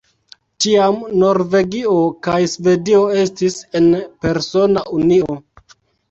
Tiam, Norvegio kaj Svedio estis en persona unio.